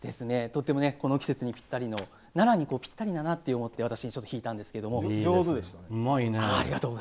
とてもこの季節にぴったりの奈良にぴったりだなと思って私、弾いたんですけれども。